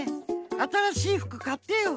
あたらしい服かってよ。